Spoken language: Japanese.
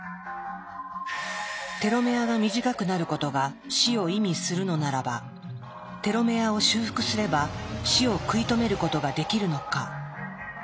テロメアが短くなることが死を意味するのならばテロメアを修復すれば死を食い止めることができるのか。